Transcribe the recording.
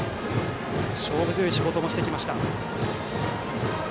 勝負強い仕事もしてきました。